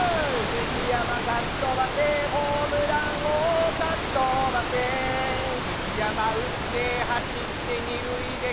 「杉山かっ飛ばせ」「ホームランをかっ飛ばせ」「杉山打って走って二塁で転んで」「食べられる」